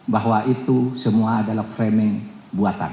bahwa itu semua adalah framing buatan